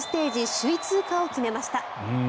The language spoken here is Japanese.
首位通過を決めました。